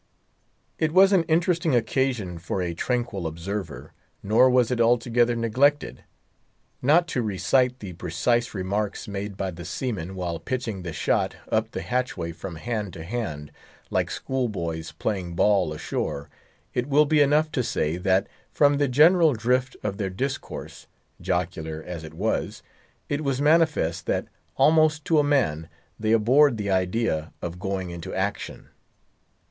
It was an interesting occasion for a tranquil observer; nor was it altogether neglected. Not to recite the precise remarks made by the seamen while pitching the shot up the hatchway from hand to hand, like schoolboys playing ball ashore, it will be enough to say that, from the general drift of their discourse—jocular as it was—it was manifest that, almost to a man, they abhorred the idea of going into action.